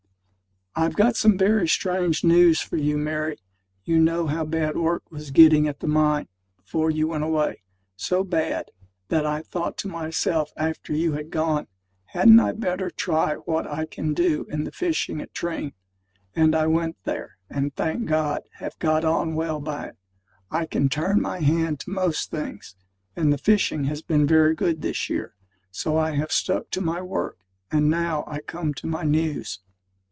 I've got some very strange news for you, Mary. You know how bad work was getting at the mine, before you went away so bad, that I thought to myself after you had gone, "Hadn't I better try what I can do in the fishing at Treen?" And I went there; and, thank God, have got on well by it. I can turn my hand to most things; and the fishing has been very good this year. So I have stuck to my work. And now I come to my news.